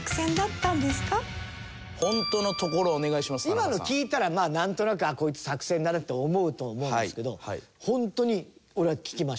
今の聞いたらまあなんとなくこいつ作戦だなって思うと思うんですけど本当に俺は聞きました。